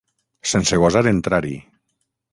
Sense gosar entrar-hi.